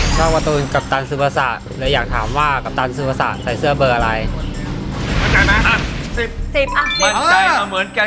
ชอบการ์ตูนกัปตันสุภาษาเลยอยากถามว่ากัปตันสุภาษาใส่เสื้อเบอร์อะไร